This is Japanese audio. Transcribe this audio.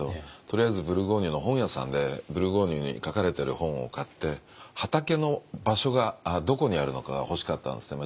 とりあえずブルゴーニュの本屋さんでブルゴーニュに書かれてる本を買って畑の場所がどこにあるのかが欲しかったんですね